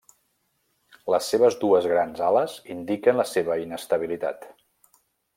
Les seves dues grans ales indiquen la seva inestabilitat.